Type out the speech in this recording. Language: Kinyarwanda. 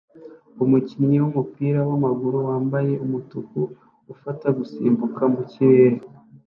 Umukinnyi wumupira wamaguru wambaye umutuku afata gusimbuka mu kirere